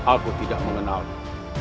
aku tidak mengenalnya